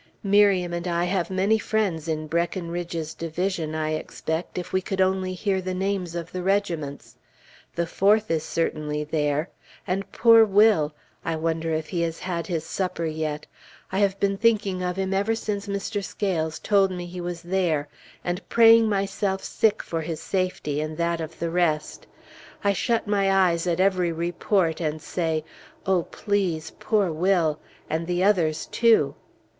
Miriam and I have many friends in Breckinridge's division, I expect, if we could only hear the names of the regiments. The Fourth is certainly there. And poor Will! I wonder if he has had his supper yet? I have been thinking of him ever since Mr. Scales told me he was there, and praying myself sick for his safety and that of the rest. I shut my eyes at every report and say, "Oh, please! poor Will! and the others, too!"